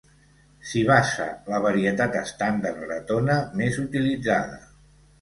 S'hi basa la varietat estàndard bretona més utilitzada.